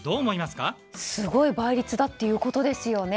すごい倍率だっていうことですよね。